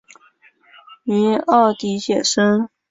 於澳底写生